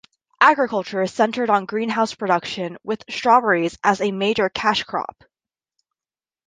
Agriculture is centered on greenhouse production, with strawberries as a major cash crop.